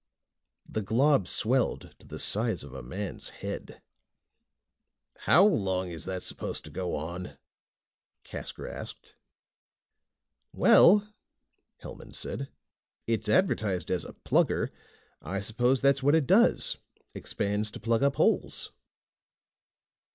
The glob swelled to the size of a man's head. "How long is that supposed to go on?" Casker asked. "Well," Hellman said, "it's advertised as a Plugger. I suppose that's what it does expands to plug up holes."